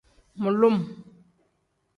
Mulum.